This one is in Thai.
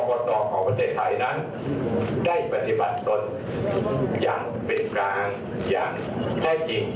ตของประเทศไทยนั้นได้ปฏิบัติตนอย่างเป็นกลางอย่างแท้จริง